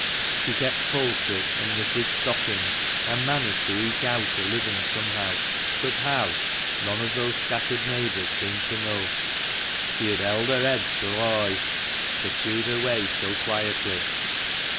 She kept poultry and knitted stockings, THE MANCHESTER MAN. 17 and managed to eke out a living somehow, but how, none of those scattered neighbours seemed to know — she had " held her yead so hoigh " (pursued her way so quietly).